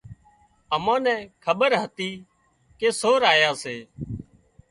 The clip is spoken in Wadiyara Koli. منين کٻير هتي ڪي سور آيا سي